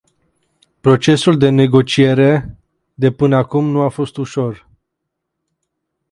Procesul de negociere de până acum nu a fost ușor.